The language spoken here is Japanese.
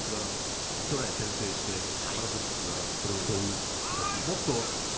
イーグルスが２トライで先制してパナソニックがそれを追う。